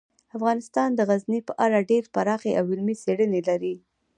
افغانستان د غزني په اړه ډیرې پراخې او علمي څېړنې لري.